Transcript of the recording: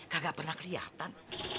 gak pernah keliatan